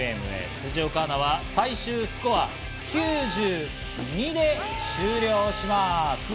辻岡アナは最終スコア９２で終了します。